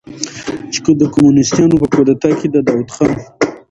چې د کمونستانو په کودتا کې د داؤد خان